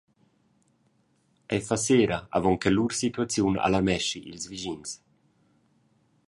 Ei fa sera avon che lur situaziun alarmeschi ils vischins.